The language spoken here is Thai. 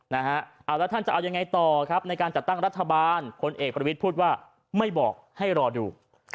แล้วท่านจะเอายังไงต่อครับในการจัดตั้งรัฐบาลพลเอกประวิทย์พูดว่าไม่บอกให้รอดู